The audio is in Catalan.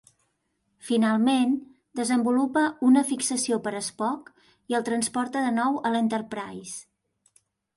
Finalment, desenvolupa una fixació per Spock i el transporta de nou a "l'Enterprise".